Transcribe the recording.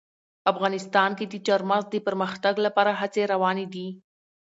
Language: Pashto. افغانستان کې د چار مغز د پرمختګ لپاره هڅې روانې دي.